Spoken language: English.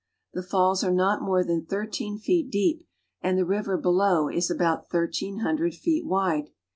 The alls are not more than thirteen feet deep, and the river ►elow is about thirteen hundred feet wide.